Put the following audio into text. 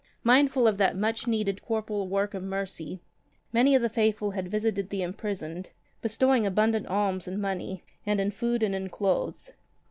Mindful of that much needed corporal work of mercy many of the faithful had visited the imprisoned, bestowing abundant alms in money, in food and in clothes.